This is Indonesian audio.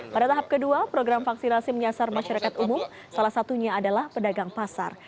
pada tahap kedua program vaksinasi menyasar masyarakat umum salah satunya adalah pedagang pasar